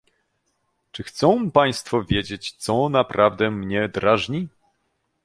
Czy chcą Państwo wiedzieć, co naprawdę mnie drażni?